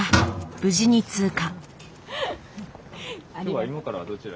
無事に通過。